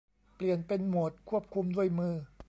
เปลี่ยนเป็นโหมดควบคุมด้วยมือ